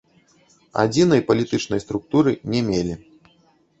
Адзінай палітычнай структуры не мелі.